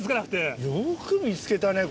よく見つけたね